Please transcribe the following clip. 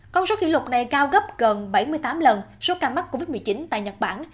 con số kỷ lục này cao gấp gần bảy mươi tám lần số ca mắc covid một mươi chín tại nhật bản